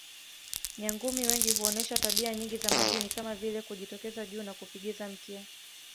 Nyangumi wengi huonesha tabia nyingi za majini kama vile kujitokeza juu na kupigiza mkia